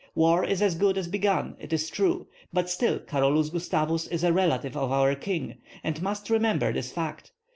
War is as good as begun, it is true; but still Carolus Gustavus is a relative of our king, and must remember this fact.